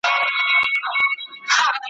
له وړو لویو مرغانو له تنزرو `